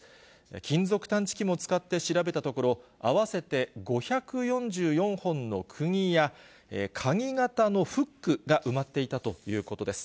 金属探知機も使って調べたところ、合わせて５４４本のくぎやかぎ型のフックが埋まっていたということです。